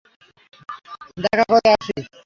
দেখা করে আসি।